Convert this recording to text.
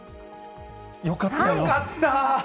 よかった。